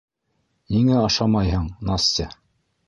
Ниңә ашамайһың, Настя?